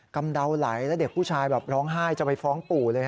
ำเดาไหลแล้วเด็กผู้ชายแบบร้องไห้จะไปฟ้องปู่เลย